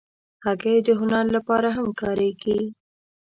هګۍ د هنر لپاره هم کارېږي.